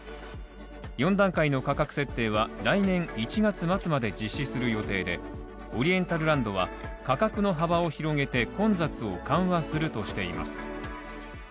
４段階の価格設定は来年１月末まで実施する予定でオリエンタルランドは、価格の幅を広げて混雑を緩和するとしています。